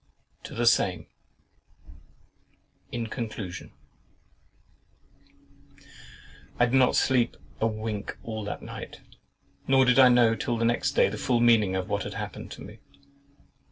TO THE SAME (In conclusion) I did not sleep a wink all that night; nor did I know till the next day the full meaning of what had happened to me.